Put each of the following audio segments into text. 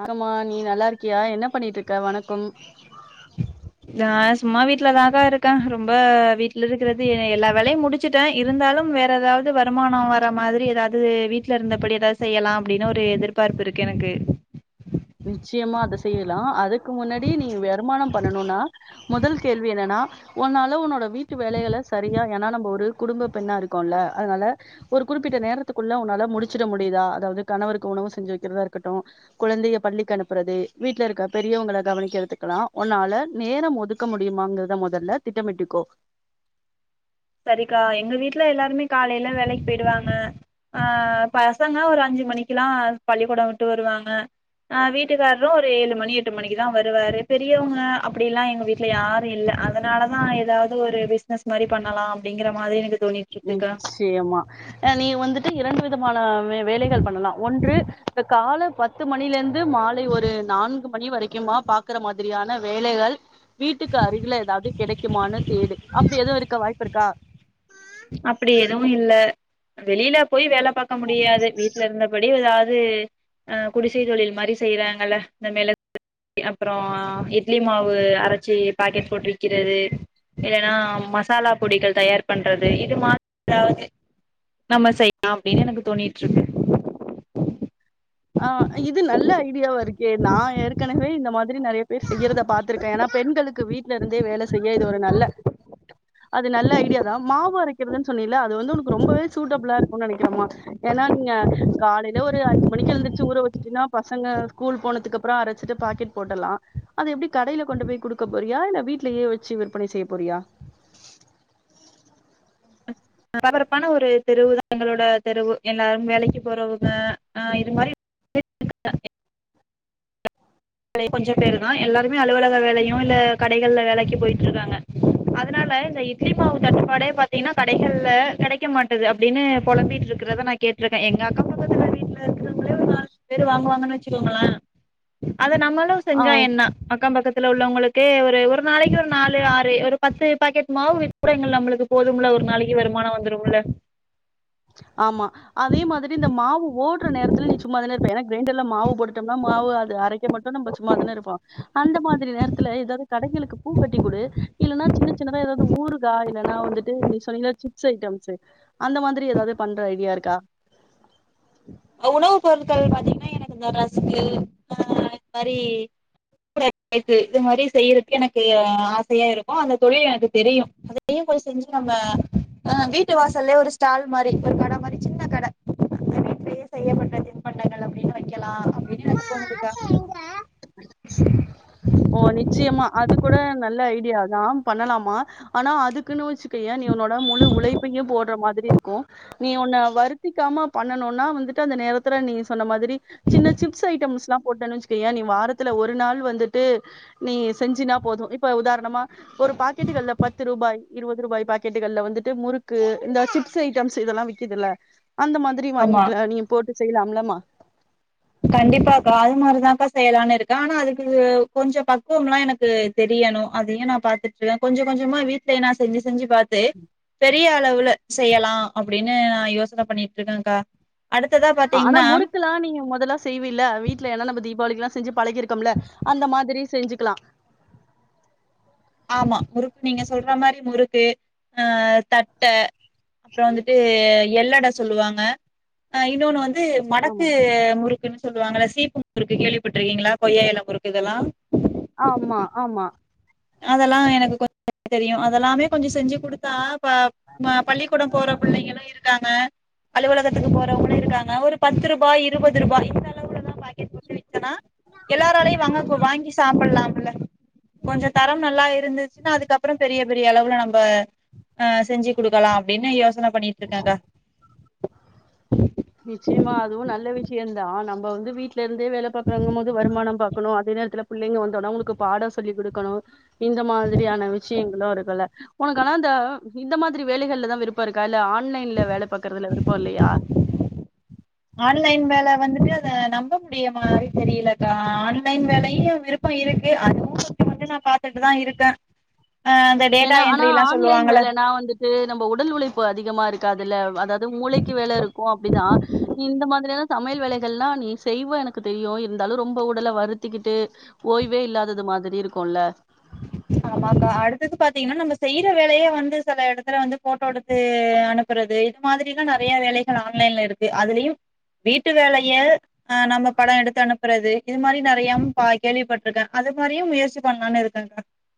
ஆகமா நீ நல்லா இருக்கியா என்ன பண்ணிட்ருக்க வணக்கம் அ சும்மா வீட்டுலதக்கா இருக்கே ரொம்ப வீட்ல இருக்கிறது எல்லா வேலையு முடிச்சுட்டே இருந்தாலு வேற ஏதாவது வருமானோ வர மாதிரி ஏதாவது வீட்டுல இருந்தபடி ஏதாவது செய்யலா அப்டின்னு ஒரு எதிர்பார்ப்பு இருக்கு எனக்கு ம் நிச்சயமா அத செய்யலா அதுக்கு முன்னாடி நீ வருமானம் பண்ணணும்னா முதல் கேள்வி என்னன்னா உன்னால உன்னோட வீட்டு வேலைகள சரியா ஏன்னா நம்ம ஒரு குடும்ப பெண்ணா இருக்கோம்ல அதனால ஒரு குறிப்பிட்ட நேரத்துக்குள்ள உன்னால முடிச்சிட முடியுதா அதாவது கணவருக்கு உணவு செஞ்சு வைக்கிறதா இருக்கட்டு குழந்தையாப் பள்ளிக்கு அனுப்புறது வீட்டுல இருக்க பெரியவங்கள கவனிக்கறதுக்கெல்லா உன்னால நேரோ ஒதுக்க முடியுமாங்கறத முதல்ல திட்டமிட்டுக்கோ சரிக்கா எங்க வீட்டுல எல்லாருமே காலையில வேலைக்கு போயிடுவாங்க ஆ பசங்க ஒரு அஞ்சு மணிக்கு எல்லா பள்ளிக்கூடோ விட்டு வருவாங்க ஆ வீட்டுக்கார்ரு ஒரு ஏழு மணி எட்டு மணிக்குதான் வருவாரு பெரியவங்க அப்படி எல்லா எங்க வீட்டுல யாரு இல்ல அதனாலதா ஏதாவது ஒரு பிசினஸ் மாரி பண் ணலா அப்டிங்கற மாதிரி எனக்கு நிச்சயமா ஆ நீ வந்துட்டு இரண்டு ஆனா வே வேலைகள் பண்ணலா ஒன்று இந்த காலப் பத்து மணிலிருந் து மாலை ஒரு நான்கு பணி வரைக்குமா பாக்குற மாதிரியான வேலைகள் வீட்டுக்கு அருகில ஏதாவது கிடைக்குமானு தேடு அப்படி எதவு இருக்க வாய்ப்பு இருக்கா அப்டி எதுவு இல்ல வெளியில போய் வேலப் பாக்க முடியாது வீட்டுல இருந்தபடி எதாவத் [unintelligible] ஆ குடிசை தொழில் மாரி செய்யறாங்கல இந்த மிள [inaudible] அப்றோ இட்லி மாவு அரைச்சி பாக்கெட் போட்டு வக்கிறது இல்லன்னா மசாலா பொடிகள் தயார் பண் றது இது மாத் ஏதாவது நம்ம செய்யலா அப்டின்னு எனக்கு தோணிட்ருக்கு ஆ, இது நல்ல ஐடியாவா இருக்கே நா ஏற்கனவே இந்த மார் இதுலயு நெறைய பேர் செய்யுறத பாத்திருக் தேன்னா பெண்களுக்கு வீட்ல இருந்தே வேல ஸ் செய்ய இது ஒரு நல்ல அது நல்ல ஐடியா தா மாவு அரைக்கிறதுன்னு சொன்னீல அது வந்து உனக்கு ரொம்பவே சூட்டபுளா இருக்கும்னு நெனைக்கிறேமா ஏன்னா நீங்க காலையில ஒரு அஞ்சு மணிக்கு [unintelligible] ச்சு ஊற வச்சுட்டின்னா பசங்க ஸ்கூல் போனதுக்கு அப்பறோ அரைச்சிட்டு பாக்கெட் போட்டலா அது எப்டி கடையில கொண்டு போய் குடுக்க போறியா இல்ல வீட்லயே வச்சு விற்பனை செய்ய போறியா பாராபாராப்பான ஒரு தெருவுதா எங்களோட தெருவு எல்லாரு வேலைக்கு போறவங்க ஆ இது மாரி [inaudible] [inaudible] கொஞ்சோ பேரு தா எல்லாருமே அலுவலக வேலையு இல்ல கடைக்கல்ல வேலைக்கு போயிட்ருக்காங்க அதனால இந்த இட்லி மாவு தட்டுப்பாடே பாத்தீங்கன்னா கடைக்கல்ல கெடைக்க மாட்டுது அப்டின்னு பொழம்பிட்டு இருக்கிறத நா கேட்டிருக்கே எங்க அக்கா பக்கத்து வீட்டுல இருக்கிறவங்களே ஒரு நாலஞ்சு பேரு வாங்குவாங்கன்னு வச்சுக்கோங்களே அத நம்மளு ஆ செஞ்சா என்ன அக்கம் பக்கத் த்துல உள்ளவங்களுக்கு ஒரு ஒரு நாளைக்கு ஒரு நாலு ஆறு ஒரு பத்து பாக்கெட் மாவு விற்கறைங்கள் நம்மளுக்கு போதும்ல ஒரு நாளைக்கு வருமானோ வந்துரும்ல ஆமா அதே மாதிரி இந்த மாவு ஓட் மற்ற நேரத்துல நீ சும்மாதானே இருப்ப எனா கிரைண்டர்ல மாவு போட்டோம்னா மாவு அது அரைக்க மட்டு நம்ப சும்மாதானே இருப்போ அந்த மாதிரி நேரத்துல எதாவது கடைகளுக்கு பூ கட்டி குடு இல்லன்னா சின்ன சின்னதா ஏதாவது ஊறுகா இல்லன்னா வந்துட்டு நீ சொன்னீல சிப் [unintelligible] அந்த மாதி ஏதாது பண்ற ஐடியா இருக்கா அ உணவு பொருக்கள் பாத்தீங்னா எனக்கு இந்த ரசுக்கு ஆஹ் இது மாரி [unintelligible] இது மாரி செய்யறது எனக்கு ஆசையா இருக்கு அந்த தொழில் எனக்கு தெரிய அதையு போய் செஞ்சு நம்ம அஹ் வீட்டு வாசல்லே ஒரு ஸ்டால் மாரி ஒரு கடை மாரி சின்ன கட அந்த வீட்டுலயே செய்யப்பட்ட தின்பண்டங்கள் அப்டின்னு வைக் ஓ நிச்சியமா அது கூட நல்ல ஐடியா நா பண்ணலாமா ஆனா அதுக்குன்னுவச்சு ஏன் நீ உன்னோட முழு உழைப்பையும் போடுற மாதிரி இருக்கும் நீ உன்ன வருத்திக்காம பண்ணனுனா வந்துட்டு அந்த நேரத்துல நீ சொன்ன மாதிரி சின்ன சிப்ஸ் ஐட்டம்ஸ்லா போட்டன்னு வச்சுக்கயே நீ வாரத்துல ஒரு நாள் வந்துட்டு நீ செஞ்சினா போதும் இப்ப உதாரணமா ஒரு பாக்கெட்டுகள்ல பத்து ரூபாய் இருபது ரூபாய் பாக்கட்டுகள்ல வந்துட்டு முறுக்கு இந்த சிப்ஸ் ஐட்டம்ஸ் இதெலாம் விக்குதுல்ல அந்த மாதிரி ஆமா வாங்கிகலாம் நீங்க போட்டு செய்லாம்லமா கண்டிப்பாக்கா அதுமாரி தாக்கா செய்யலான்னு இருக்கேன் ஆனா அதுக்கு கொஞ்சோ பக்குவம்லாம் எனக்கு தெரியணு அதையு நா பாத்துட்டு கொஞ்ச கொஞ்சமா வீட்லய நா செஞ்சு செஞ்சு பாத்து பெரிய அளவுல செய்யலா அப்டின்னு யோசனை பண்ணிட்ருக்கேக்கா அடுத்ததா ஆனா பாத்தீங்கன்னா முறுக்குலாம் நீங்க மொதல்ல செய்வில்ல வீட்ல என்னநபதி தீபாவளிக்லாம் செஞ்சு பழகிருக்கம்ல அந்த மாதிரி செஞ்சுக்கலா ஆமா முறுக்கு நீங்க சொல்ற மாரி முறுக்கு ஆ தட்ட அப்றம் வந்துட்டு எல்லட சொல்லுவாங்க அ இன்னொன்னுவந் இது மடக்கு ஆமா. முறு னு சொல்லுவாங்கள சீப்பு முறுக்கு கேள்விப்பட்டு இருக்கீங்களா கொய்ய இல முறுக்கு இதெலாம் ஆமா ஆமா அதெலாம் எனக்கு கொஞ் [unintelligible] தெரியும் அதெலாமே கொஞ்சம் செஞ்சு குடுத்தா இப்ப ம பள்ளிக்கூடம் போற புள்ளைங்களும் இருக் இருக்காங்க அலுவலகத்துக்கு போறவுங்களும் இருக்காங்க ஒரு பத்து ரூபாய் இருவது ரூபாய் இந்த அளவுலதான் பாக்கட் போட்டு விக் ஆ எல்லாராலயையும் வாங்க கு வாங்கி சாப்பிட்லாம் அல கொஞ்ச தரம் நல்லா இருந்துச்சுனா அதுக்கப்றோ பெரிய பெரிய அளவுல நம்ப அ செஞ்சுக் குடுக்கலாம் அப்டின்னு யோசன பண்ணிட்ருக்கேக்கா நிச்சயமா அதுவும் நல்ல விஷயம்தான் நம்ம வந்து வீட்டுல இருந்தே வேலை பாாரக்குறவங்க போது வருமானம் பாக்கணும் அதே நேரத்துல பிள்ளைங்க வந்தோடா உங்களுக்கு பாடம் சொல்லி கொடுக்கணும் இந்த மாதிரியான விஷ்யங்களும் இருக்குல்ல உனக்கலா இந்த இந்த மாதிரி வேலைகள்ல தான் விருப்பம் இருக்கா இல்ல ஆ ஆன்லைன்ல வேல பாக்றதுல விருப்போ இல்லையா ஆன்லைன் வேல வந்துட்டு அத நம்ப முடிய மாரி தெரியலக்கா ஆன்லைன் வேலையு விருப்பமிருக்கு அதுவு கொஞ்சோ கொஞ்சோ நா பாத்துட்டுதா இருக்கே ஆ அந்த டேட்டா ஏன்னா ஆனா என்ட்ரிலா ஆன்லைன் சொல்லுவாங்கல்ல வேலைன்னா வந்துட்டு நம்ம உடல் உழைப்பு அதிகமாருக் அதுல அத மூளைக்கு வேல இருக்கு அப்டிதா நீ இந்த மாதிரியான சமையல் வேலைகளா நீ செய்வ எனக்கு தெரியு இருந்தாலு ரொம்ப உடலை வருத்திக்கிட்டு ஓய்வேல்லாதது மாதிரி இருக்கும்ல ஆமாக்கா அடுத்தது பாத்தீங்கன்னா நம்ம செய்யுற வேலையை வந்து சில எடத்துல வந்து போட்டோ எடுத்து அனுப்புறது இது மாதிரிலா நெறைய வேலைகள் ஆன்லைன்ல இருக்கு அதுலயும் வீட்டு வேலைய ஆஹ் நம்ம படம் எடுத்து அனுப்புறது இது மாதிரி நெறைய பா கேள்விப்பட்டிருக்கே அதுமாரியும் முயற்சி பண்ணலாம்னு இருக்கு [unintelligible]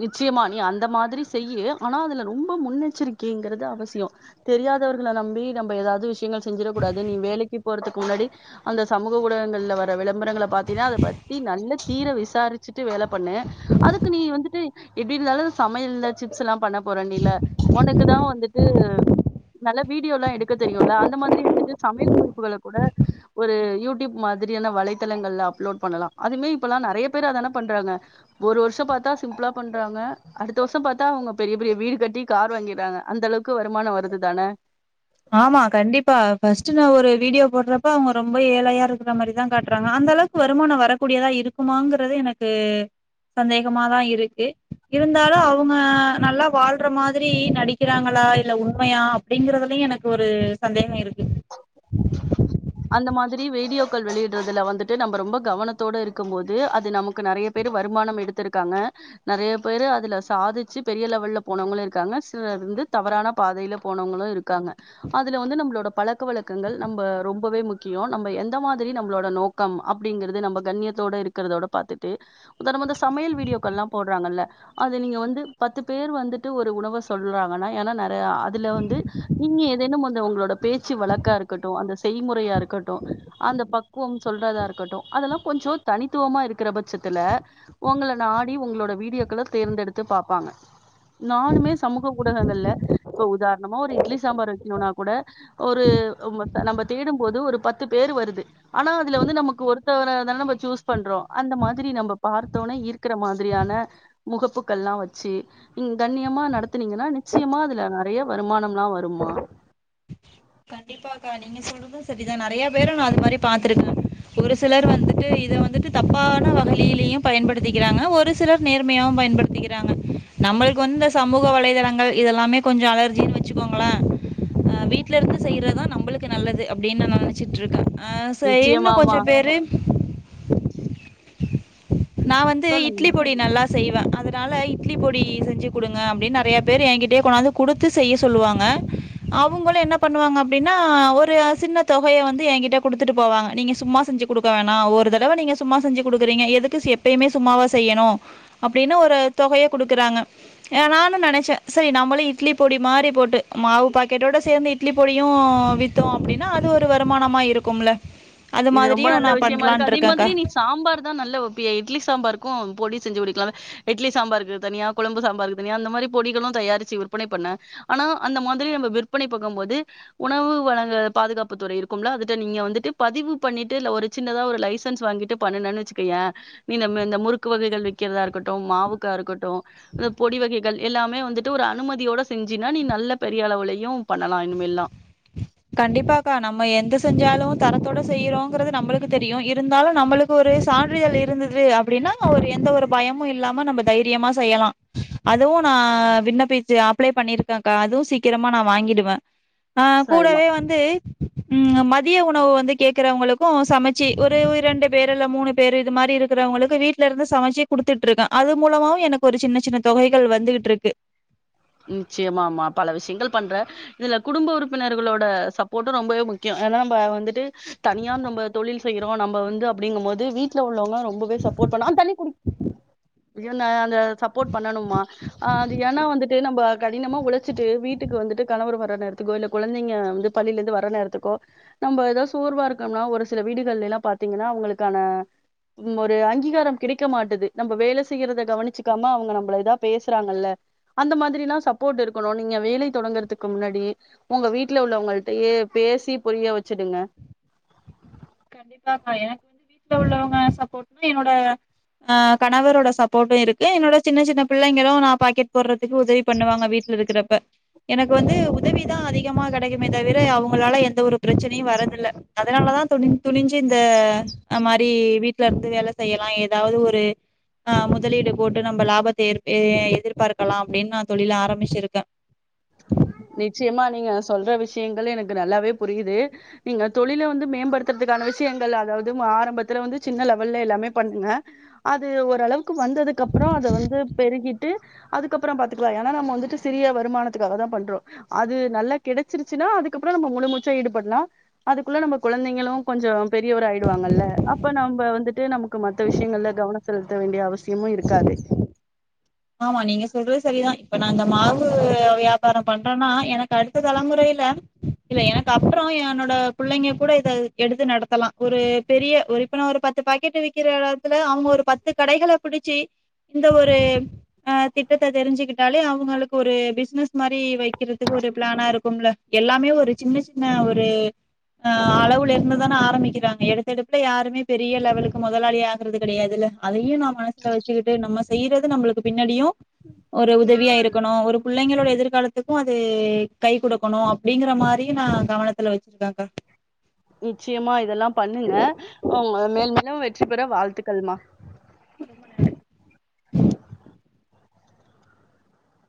நிச்சயமா நீ அந்த மாதிரி செய்யு ஆனா அதுல ரொம்ப முன்னெச்சரிக்கைங்கிறது அவசியோ தெரியாதவர்களை நம்பி நம்ம ஏதாவது விஷ செஞ்சிரக்கூடாது நீ வேலைக்கு போறதுக்கு முன்னாடி அந்த சமூக ஊடகங்கள வர விளம்பரங்களை பத்தீனா அத நல்லத் தீர விசாரிச்சுட்டு வேலை பண்ணு அது நீ வந்துட்டு எப்டி இருந்தாலு சமையல் சிப்ஸ் எல்லா பண்ண போற நீல உனக்கு தா வந்துட் து நல்ல வீடியோல்லா எடுக்க தெரியும்ல அந்த மாதிரி எடுத்துட்டு சமையல் குறிப்புகளை கூட ஒரு யூடியூப் மாதிரியான வலைத்தளங்கள்ல அப்லோட் பண்ணலா அதுமே இப்பல்லா நெறைய பேர் அத என்ன பண்றாங்க ஒரு வருஷம் ம் ப்த்தா சிம்பிளா பண்றாங்க அடுத்த வருஷோ பாத்தா அவங்க பெரிய பெரிய வீடு கட்டி கார் வாங்கடுறாங்க அந்த அளவுக்கு வருமானோ வருதுதானே ஆமா கண்டிப்பா பர்ஸ்ட் நா ஒரு வீடியோ போடுறப்ப அவங்க ரொம்ப ஏழையா இருக்கிற மாதிரிதா காட்டுறாங்க அந்த அளவுக்கு வருமானம் வரக்கூடியதா இருக்குமாங்கிறது எனக்கு சந்தேகமாதா இருக்கு இருந்தாலு அவங்க நல்லா வாழ்ற மாதிரி நடிக்கிறாங்களா இல்ல உண்மையா அப்டிங்கறதுலையு எனக்கு ஒரு சந்தேகயிருக்கு இத்தனையு வீடியோக் கால் வெளியடுறதுல வந்துட்டு நம்ம ரொம்ப கவனத்தோடு இருக்கும் போது அது நமக்கு நெறைய பேர் வருமானம் எடுத்திருக்காங்க நெறைய பேரு அதுல சாதிச்சு பெரிய லெவல்லல போனவங்களும் இருக்காங்க சிலவந்து தவறான பாதையில போனவங்களும் இருக்காங்க அதுல வந்து நம்மளோட பழக்க வழ நம்ம ரொம்பவே முக்கியோ நம்ம எந்த மாதிரி நம்மளோட நோக்கம் அப்டிங்கறது நம்ம கண்ணியத்தோட இருக்கிறதோட பாத்துட்டு உதாரணம இந்த சமையல் வீடியோக்கல்லா போடுறாங்கள்ள அது நீங்க வந்து பத்து பேர் வந்துட்டு ஒரு உணவை சொல்றாங்கன்னா ஏன் ஆ அதுல வந்து நீங்க ஏதேனும் வந்து உங்களோட பேச்சு வழக்க ட்டும் அந்த செய்முறையா இருக்கட்டு அந்த பக்குவம் சொல்றதா இருக்கட்டு அதெல்லா கொஞ்சோ தனித்துவமா இருக்கற பட்சத்துல உங்களை நாடி உங்களோட வீடியோக்களை தேர்ந்தெடுத்து பாப்பாங்க நானுமே சமூக ஊடகங்கள்ல இப்ப உதாரணமா ஒரு இட்லி சாம்பார் வைக்கணும்னா கூட ஒரு நம்ம செ தேடும் போது ஒரு பத்து பேரு வருது ஆனா அதுல வந்து நமக்கு ஒருத்தவனதானே நம்ம சூஸ் பண்றோ அந்த மாதிரி நம்ம பாத்தோனே ஈர்க்குற மாரியான முகப்புகள்லா வச்சு கண்ணியமா நடத்துனீங்கன்னா நிச்சயமா அதுல நெறைய வருமானலா வருமா கண்டிப்பாக்கா நீங்க சொல்றது செரிதா நெறைய பேரும் நா அது மாதிரி பாத்துருக்கே ஒரு சிலர் வந்துட்டு இத வந்துட்டு தப்பான வகையிலயு பயன்படுத்திக்கிறாங்க ஒரு சிலர் நேர்மையாவு பயன்படுத்திக்கிறாங்க நம்மளுக்கு வந்து இந்த சமூக வலைதளங்கள் இதெல்லாமே கொஞ்சோ அலர்ஜினனு வச்சுக்கோங்களளே அஹ் வீட்டு ட்ல இருந்து செய்றதா நம்மளுக்கு நல்லது அப்டின்னு நா நெனச்சிட்டுருக்கே அஹ் சரி இன்னு நிச்சயமாமா கொஞ்ச பேரு நா வந்து இட்லி சொல்லுங்கம்மா பொடி நல்லா செ செய்வே அதனால இட்லி பொடி செஞ்சு குடுங்க அப்டின்னு நெறயா பேர் என்கிட்டையே கொண்டாந்து குடுத்து செய்ய சொல்லுவாங்க அவங்களு என்ன பண்ணுவாங்க அப்டின்னா ஒரு சின்ன தொகையை வந்து என்கிட்ட குடுத்துட்டு போவாங்க நீங்க சும்மா செஞ்சு குடுக்க வேணா ஒரு தடவை நீங்க சும்மா செஞ்சு குடுக்கறீங்க எதுக் எப்பயுமே சும்மாவா செய்யணும் அப்டின்னு ஒரு தொகையை குடுக்குறாங்க நானு நெனைச்சே செரி நம்ளும் இட்லி பொடி மாரி போட்டு மாவு பாக்கெட்டோட சேந்து இட்லி பொடியு வித்தோ அப்டின்னா அது ஒரு வருமானமா இருக்கும்ல அது இது ரொம்ப மாதிரியு நல்ல நான் விஷயமாருக்கு பண்ணலான்ட்டு அதே இருக்கேன்க்கா மாதிரி நீ சாம்பார் தா நல்ல வப் இட்லி சாம்பாருக்கும் பொடி செஞ்சு குடிக்கலா இட்லி சாம்பாருக்கு தனியா கொழம்பு சாம்பாருக்கு தனியா அந்த மாதிரி பொடிகளு தயாரிச்சு விற்பனை பண்ணு ஆனா அந்த மாதிரி நம்ம விற்பனை பாக்கும் போது உணவு வழங்க பாதுகாப்புத்துறை இருக்கும்ல அத நீங்க வந்துட்டு பதிவு பண்ணிட்டு இல்ல ஒரு சின்னதா ஒரு லைசன்ஸ் வாங்கிட்டு பண்னுனனு வச்சுக்கையே நீ இந்த இந்த முறுக்கு வகைகள் விக்கிறதா இருக்கட்டு மாவுக்கா இருக்கட்டு இந்த பொடி வகைகள் எல்லாமே வந்துட்டு ஒரு அனுமதியோட செஞ்சனைய நீ நல்ல பெரிய அளவுலயையு பண்ணலா இனிமேலா கண்டிப்பாக்கா நம்ம எத செஞ்சாலும் தரத்தோட செய்யறோங்கிறது நம்மளுக்கு தெரியு இருந்தாலு நம்மளுக்கு ஒரு சான்றிதழ் இருந்தது அப்டின்னா ஒரு எந்த ஒரு பயமும் இல்லாம நம்ம தைரியமா செய்யலா அதுவு நா விண்ணப்பிச்சு அப்ளை பண்ணிருக்கேன்க்கா அதுவும் சீக்கிரமா நா வாங்கிடுவே சரிம்மா கூடவே வந்து உம் ம திய உணவு வந்து கேக்குறவங்களுக்கு சமைச்சு ஒரு இரண்டு பேர் இல்ல மூணு பேர் இது மாதிரி இருக்கிறவங்களுக்கு வீட்டுல இருந்து சமைச்சு குடுத்துட்ருக்கே அது மூலமாவு எனக்கு ஒரு சின்ன சின்ன தொகைகள் வந்துட்டுருக்கு நிச்சயமா ஆமா பல விஷயங்கள் பண்றே இதுல குடும்ப உறுப்பினர்களோட சப்போர்ட்டு ரொம்பவே முக்கியம் ஏன்னா நம்ம வந்துட்டு தனியா நம்ப தொழில் செய்யறோ நம்ப வந்து அப்படிங்குபோது வீட்டுல உள்ளவங்க ரொம்பவே சப்போர்ட் பண்ண தண்ணி குடிக் சப்போர்ட் பண்ணணுமா அது ஏன்னா வந்துட் நம்ம கடினமா உழச்சிட்டு வீட்டுக்கு வந்துட்டு கணவர் வந் வர நேரத்துக்கோ இல்ல கொழந்தைங்க வந்து பள்ளியில இருந்து வர நேரத்துக்கோ நம்ம ஏதாவது சோர்வா இருக்கோம்னா ஒரு சில வீடுகள்லாம் பாத்தீங்கன்னா அவங்களுக்கான ஒரு அங்கீகாரம் கிடைக்க மாட்டுது நம்ம வேலை செய்யறத கவனிச்சுக்காம அவங்க நம்பள இதா பேசுறாங்கல்ல அந்த மாதிரி எல்லாம் சப்போர்ட் இருக்கணும் நீங்க வேலை தொடங்குறதுக்கு முன்னாடி உங்க வீட்டுல உள்ளவங்கள்டையே பேசி புரிய வச்சுடுங்க கண்டிப்பா பா எனக்கு வந்து வீட்டுல உள்ளவங்க சப்போர்ட்னா என்னோட ஆஹ் கணவரோட சப்போர்ட்டு இருக்கு என்னோட சின்ன சின்ன பிள்ளைங்களும் நான் பாக்கெட் போடுறதுக்கு உதவி பண்ணுவாங்க வீட்ல இருக்கிறப்ப எனக்கு வந்து உதவிதான் அதிகமா கெடைக்குமே தவிர அவங்களால எந்த ஒரு பிரச்சனையும் வரதில் அதனாலதான் [unintelligible] துணிஞ்சு இந்த மாரி வீட்டுல இருந்து வேல செய்யலாம் ஏதாவது ஒரு ஆஹ் முதலீடு போட்டு நம்ம லாபத்தை எ எதிர்பார்க்கலாம் அப்படின்னு நான் தொழில ஆரம்பிச்சிருக்கேன் நிச்சயமா நீங்க சொல்ற விஷயங்கள் எனக்கு நல்லாவே புரியுது நீங்க தொழில வந்து மேம்படுத்துறதுக்கான விஷயங்கள் அதாவது ஆரம்பத்துல வந்து சின்ன லெவல்ல எல்லாமே பண்ணுங்க அது ஓரளவு வந்ததுக்கு அப்பறோ அத வந்து பெருகிட் அதுக்கப்பறோ பாத்துக்கலாம் ஏன நம்ம வந்துட்டு சிறிய வருமான பண்றோ அது நல்லா கிடைச்சிருச்சுன அதுக்கப்புரோ நம்ம முழுமூச்சா ஈடுபடாலாம் அதுக்குள்ள நம்ம கொழந்தைங்களும் கொஞ்சோ பெரியவர ஆயிடுவாங்கல்ல அப்ப நம்ம வந்துட்டு ந மத்த விஷயங்கள்ல கவன செலுத்த வேண்டிய அவச ஆமா நீங்க சொல்றது செரிதான் இப்ப நான் இந்த மாவு வியாபாரோ பண்றேன்னா எனக்கு அடுத்த தலைமுறையில இல்ல எனக்கு அப்பறோ என்னோட பிள்ளைங்க கூட இதை எடுத்து நடத்தலாம் ஒரு பெரிய எப்புன்னா ஒரு பத்து பாக்கெட்டு் விறக்கிற இடத்துல அவங்க ஒரு பத்து கடைகள பிடிச்சி இந்த ஒரு திட்டத்த தெரிஞ்சுக்கிட்டாலே அவங்களுக்கு ஒரு பிசினஸ் மாரி வை பக்கிறதுக்கு ஒரு பிளானா இருக்கும்ல எல்லாமே ஒரு சின்ன சின்ன ஒரு அஹ் அளவுல இருந்துதானே ஆரம்பிக்கிறாங்க எடுத்தடுப்புல யாருமே பெரிய லெவலுக்கு முதலாளி ஆகுறது கிடையாதுல்ல அதையும் நாம வச்சுக்கிட்டு நம்ம செய்யறது நம்மளுக்கு பின்னாடியு ஒரு உதவியா இருக்கணு ஒரு பிள்ளைங்களோட எதிர்காலத்துக்கும் அது கை கொடுக் இருக்கணு அப்படிங்கிற மாரி நான் கவனத்துல வச்சிருக்கே்க நிச்சயமா இதெல்லாம் பண்ணுங்க அவங்க மேல் மேலும் வெற்றி பெற வாழ்த்து கல்மா [inaudible]